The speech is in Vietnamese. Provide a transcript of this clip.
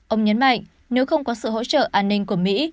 ông nhấn mạnh nếu không có sự hỗ trợ an ninh của mỹ